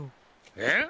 えっ？